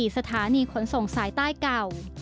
สถานีขนส่งสายใต้เก่า